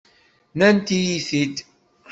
Nnant-iyi-id.